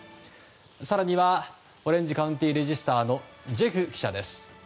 更には、オレンジカウンティ・レジスターのジェフ記者です。